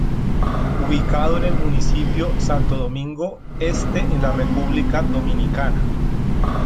Ubicado en el municipio Santo Domingo Este en la República Dominicana.